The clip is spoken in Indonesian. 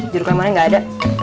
jeruk lemonnya gak ada